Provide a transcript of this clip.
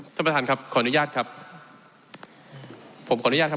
ท่านประธานขออนุญาตครับ